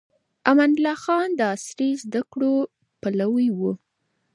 امان الله خان د عصري زده کړو پلوي و.